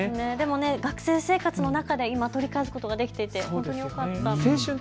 学生生活の中で今、取り戻すことができて本当によかった。